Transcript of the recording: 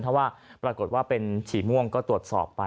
ถ้าว่าปรากฏว่าเป็นฉี่ม่วงก็ตรวจสอบไป